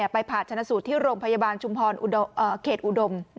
ไปผ่าชนะสูตรที่โรงพยาบาลชุมพรเขตอุดม